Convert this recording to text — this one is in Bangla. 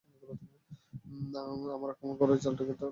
আমর আক্রমণ করে ঢাল থেকে তরবারি ছাড়াচ্ছিল।